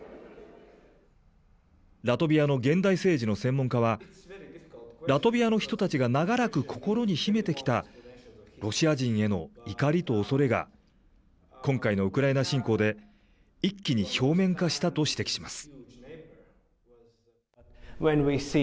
ラトビアの現代政治の専門家は、ラトビアの人たちが長らく心に秘めてきたロシア人への怒りと恐れが、今回のウクライナ侵攻で、一気に表面化したと指摘します。